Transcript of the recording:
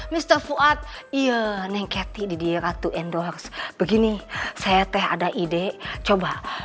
mister fuad iya neng kety didirat untuk endorse begini saya teh ada ide coba